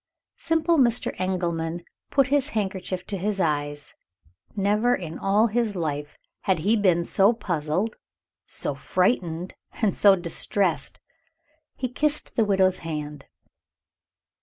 Simple Mr. Engelman put his handkerchief to his eyes; never, in all his life, had he been so puzzled, so frightened, and so distressed. He kissed the widow's hand.